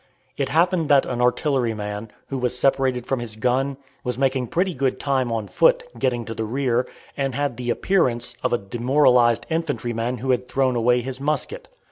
It happened that an artilleryman, who was separated from his gun, was making pretty good time on foot, getting to the rear, and had the appearance of a demoralized infantryman who had thrown away his musket.